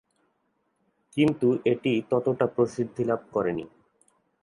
কিন্তু এটি ততটা প্রসিদ্ধি লাভ করেনি।